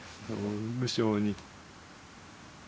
無性に。